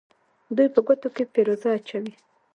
دوی په ګوتو کې فیروزه اچوي.